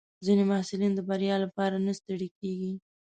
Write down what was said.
ځینې محصلین د بریا لپاره نه ستړي کېږي.